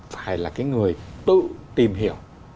phải là cái người tự tìm hiểu